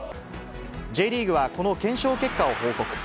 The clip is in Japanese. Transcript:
Ｊリーグはこの検証結果を報告。